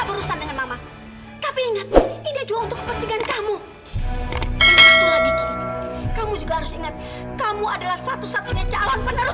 gue gak akan balikin kalung ini ke lo